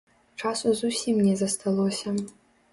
Часу зусім не засталося.